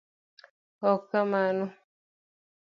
ok kamano